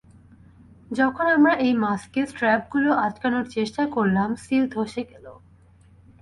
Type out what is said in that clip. যখন আমরা এই মাস্কে স্ট্র্যাপগুলো আটকানোর চেষ্টা করলাম, সিল ধসে গেল।